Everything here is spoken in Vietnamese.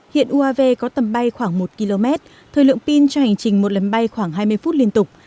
hiện uav có tầm bay khoảng một km thời lượng pin cho hành trình một lần bay khoảng hai mươi phút liên tục